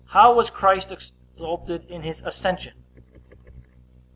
How was Christ exalted in his ascension?